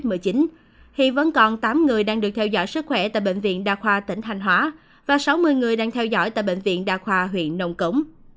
hiện vẫn còn tám người đang được theo dõi sức khỏe tại bệnh viện đa khoa tỉnh thanh hóa và sáu mươi người đang theo dõi tại bệnh viện đà khoa huyện nông cống